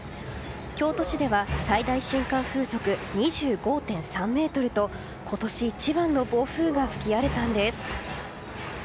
京都市では最大瞬間風速２５．３メートルと今年一番の暴風が吹き荒れたんです。